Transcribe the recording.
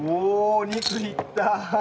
お肉にいった！